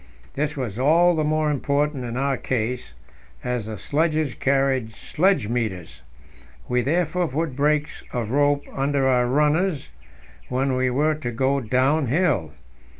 This was all the more important in our case, as the sledges carried sledge meters. We therefore put brakes of rope under our runners when we were to go downhill.